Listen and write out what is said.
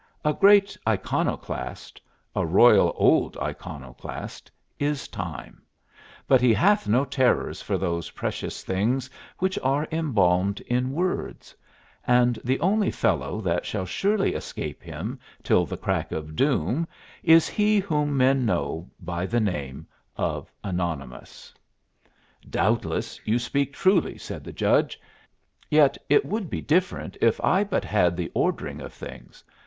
A great iconoclast a royal old iconoclast is Time: but he hath no terrors for those precious things which are embalmed in words, and the only fellow that shall surely escape him till the crack of doom is he whom men know by the name of Anonymous!" "Doubtless you speak truly," said the Judge; "yet it would be different if I but had the ordering of things.